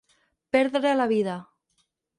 Perdre la vida.